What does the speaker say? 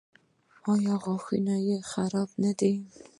ایا غاښونه یې خراب نه دي؟